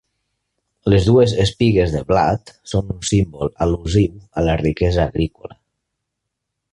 Les dues espigues de blat són un símbol al·lusiu a la riquesa agrícola.